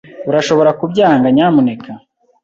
Urashobora kubyanga, nyamuneka?